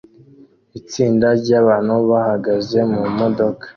Itsinda ryabantu bahagaze mumodoka